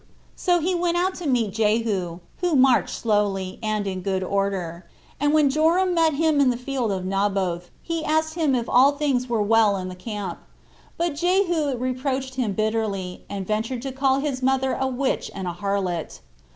So he went out to meet Jehu, who marched slowly, 16 and in good order; and when Joram met him in the field of Naboth, he asked him if all things were well in the camp; but Jehu reproached him bitterly, and ventured to call his mother a witch and a harlot.